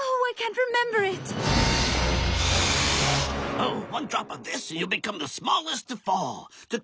あっ